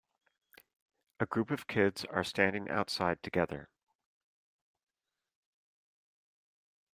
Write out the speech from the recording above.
A group of kids are standing outside together.